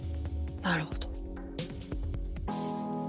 なるほど。